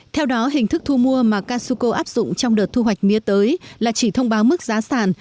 theo đó hình thức thu mua mà casuco áp dụng trong đợt thu hoạch mía tới là chỉ thông báo mức giá sản